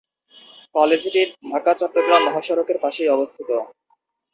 কলেজটি ঢাকা-চট্টগ্রাম মহাসড়কের পাশেই অবস্থিত।